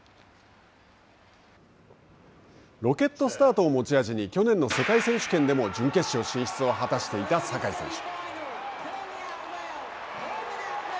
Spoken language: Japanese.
ロケットスタートを持ち味に去年の世界選手権でも準決勝進出を果たしていた坂井選手。